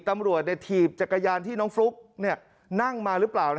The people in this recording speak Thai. ตำรวจถีบจักรยานที่น้องฟลุ๊กนั่งมาหรือเปล่า